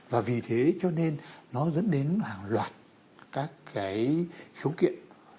và vì thế cho nên nó dẫn đến hàng loạt các cái khiếu kiện